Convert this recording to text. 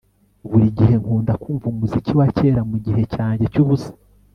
Buri gihe nkunda kumva umuziki wa kera mugihe cyanjye cyubusa